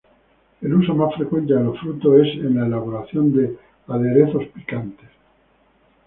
El uso más frecuente de los frutos es en la elaboración de aderezos picantes.